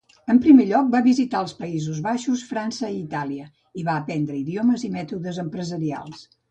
En primer lloc va visitar els Països Baixos, França i Itàlia, i va aprendre idiomes i mètodes empresarials.